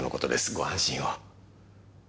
ご安心を。